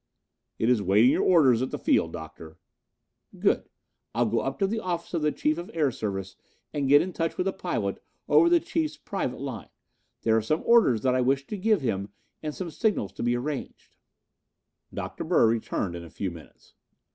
"It is waiting your orders at the field, Doctor." "Good. I'll go up to the office of the Chief of Air Service and get in touch with the pilot over the Chief's private line. There are some orders that I wish to give him and some signals to be arranged." Dr. Bird returned in a few minutes.